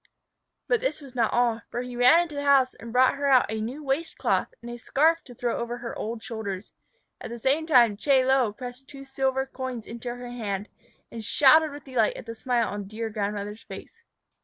But this was not all, for he ran into the house and brought her out a new waist cloth and a scarf to throw over her old shoulders. At the same time Chie Lo pressed two silver coins into her hand, and shouted with delight at the smile on the dear grandmother's face.